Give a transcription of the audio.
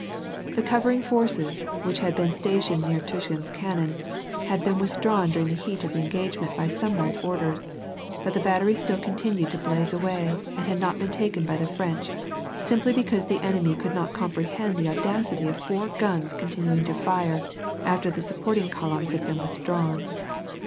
The covering forces, which had been stationed near Tushin's cannon, had been withdrawn during the heat of the engage ment by some one's orders ; but the battery still continued to blaze away, and had not been taken by the French, simply be cause the enemy could not comprehend the audacity of four guns continuing to tire, after the supporting columns had been withdrawn.